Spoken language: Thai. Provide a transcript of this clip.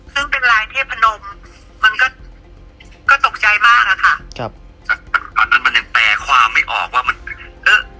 ซึ่งเป็นลายเทพนมมันก็ก็ตกใจมากอะค่ะครับแต่ตอนนั้นมันยังแปลความไม่ออกว่ามันเออ